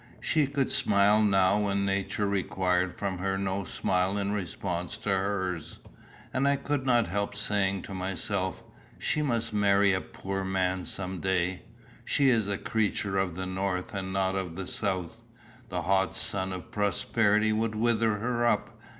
She could smile now when nature required from her no smile in response to hers. And I could not help saying to myself, "She must marry a poor man some day; she is a creature of the north, and not of the south; the hot sun of prosperity would wither her up.